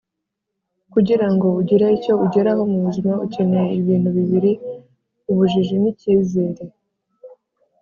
“kugira ngo ugire icyo ugeraho mu buzima, ukeneye ibintu bibiri: ubujiji n'icyizere